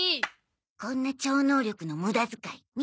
こんな超能力の無駄遣い見たことない。